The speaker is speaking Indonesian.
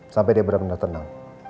sampai dia benar benar tenang